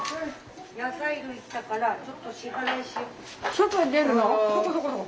外に出るの？